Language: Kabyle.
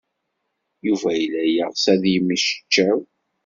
Yuba yella yeɣs ad yemmecčaw.